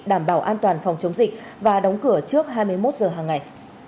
đảm bảo an toàn phòng chống dịch và đóng cửa trước hai mươi một giờ hàng ngày